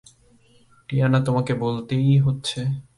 Tiana, তোমাকে বলতেই হচ্ছে।